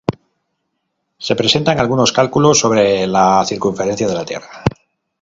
Se presentan algunos cálculos sobre la circunferencia de la Tierra.